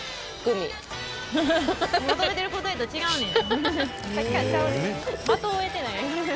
求めてる答えと違うねん。